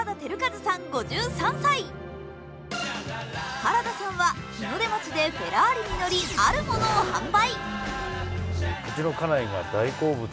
原田さんは日の出町でフェラーリに乗りあるものを販売。